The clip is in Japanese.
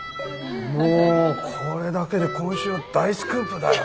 もうこれだけで今週は大スクープだよ。